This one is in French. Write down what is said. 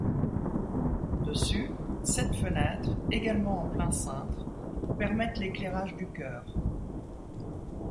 Au-dessus, sept fenêtres, également en plein-cintre, permettent l'éclairage du chœur.